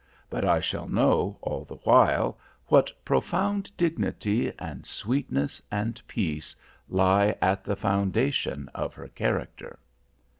But I shall know, all the while, what profound dignity, and sweetness, and peace lie at the foundation of her character."